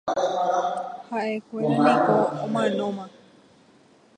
Haʼekuéra niko omanóma.